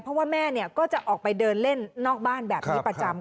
เพราะว่าแม่ก็จะออกไปเดินเล่นนอกบ้านแบบนี้ประจำ